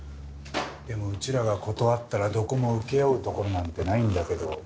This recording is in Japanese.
でもうちらが断ったらどこも請け負うところなんてないんだけど。